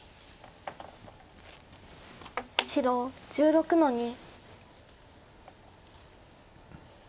白１６の二。